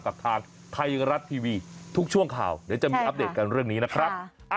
กับทางไทยรัฐทีวีทุกช่วงข่าวเดี๋ยวจะมีอัปเดตกันเรื่องนี้นะครับ